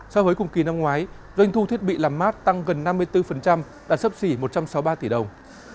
so với cùng kỳ năm ngoái doanh thu thiết bị làm mát tăng gần năm mươi bốn đạt sấp xỉ một trăm sáu mươi ba tỷ đồng